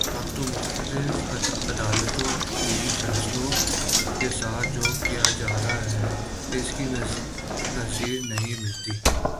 اب تو مختلف عدالتوں کے فیصلوں کے ساتھ جو کیا جا رہا ہے اس کی نظیر نہیں ملتی